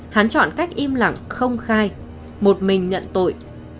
hán chọn cách im lặng không khai một mình nhận tội